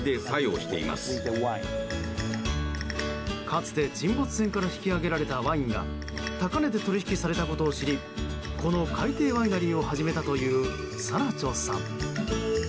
かつて沈没船から引き揚げられたワインが高値で取引されたことを知りこの海底ワイナリーを始めたというサラチョさん。